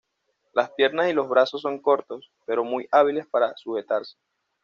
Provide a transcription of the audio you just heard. Las piernas y los brazos son cortos, pero muy hábiles para sujetarse.